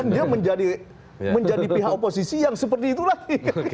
dia menjadi pihak oposisi yang seperti itu lagi